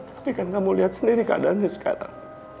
tapi kan kamu lihat sendiri keadaannya sekarang